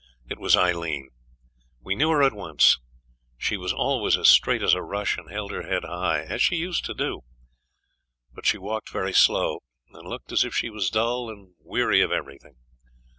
It was Aileen. We knew her at once. She was always as straight as a rush, and held her head high, as she used to do; but she walked very slow, and looked as if she was dull and weary of everything.